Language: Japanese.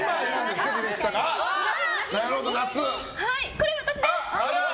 これ私です！